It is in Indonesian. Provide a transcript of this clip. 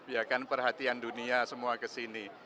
ya kan perhatian dunia semua kesini